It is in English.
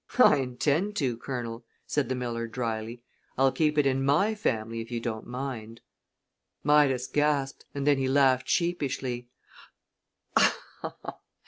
"I intend to, Colonel," said the miller, dryly. "I'll keep it in my family if you don't mind " Midas gasped, and then he laughed sheepishly.